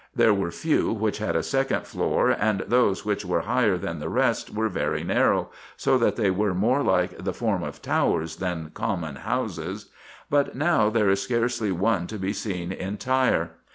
There were few which had a second floor, and those which were higher than the rest were very narrow, so that they were more like the form of towers than common houses ; but now there is scarcely one to be seen entire.